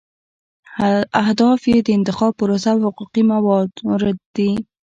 اهداف یې د انتخاب پروسه او حقوقي موارد دي.